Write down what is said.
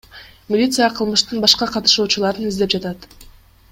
Милиция кылмыштын башка катышуучуларын издеп жатат.